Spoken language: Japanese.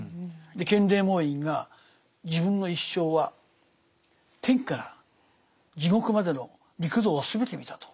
建礼門院が自分の一生は天から地獄までの六道は全て見たと。